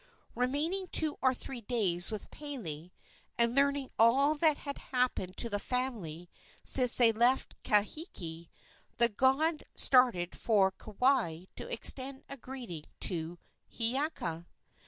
Remaining two or three days with Pele, and learning all that had happened to the family since they left Kahiki, the god started for Kauai to extend a greeting to Hiiaka.